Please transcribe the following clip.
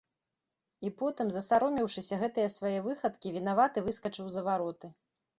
І потым, засаромеўшыся гэтае свае выхадкі, вінавата выскачыў за вароты.